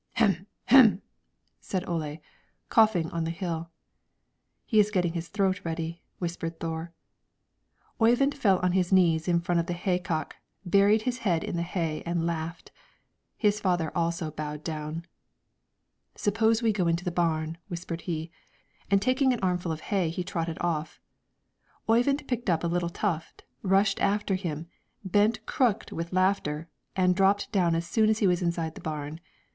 "Hem, hem!" said Ole, coughing on the hill. "He is getting his throat ready," whispered Thore. Oyvind fell on his knees in front of the haycock, buried his head in the hay, and laughed. His father also bowed down. "Suppose we go into the barn," whispered he, and taking an armful of hay he trotted off. Oyvind picked up a little tuft, rushed after him, bent crooked with laughter, and dropped down as soon as he was inside the barn.